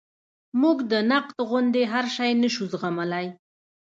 موږ د نقد غوندې هر شی نشو زغملی.